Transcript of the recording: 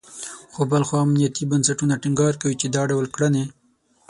خو بل خوا امنیتي بنسټونه ټینګار کوي، چې دا ډول کړنې …